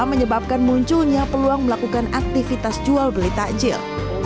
menyebabkan munculnya peluang melakukan aktivitas jual beli takjil